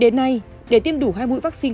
đến nay để tiêm đủ hai mũi vaccine